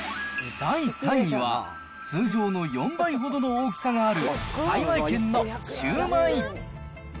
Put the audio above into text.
第３位は、通常の４倍ほどの大きさがある幸軒のしゅうまい。